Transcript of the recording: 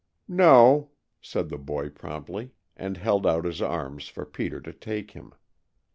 "No," said the boy promptly, and held out his arms for Peter to take him.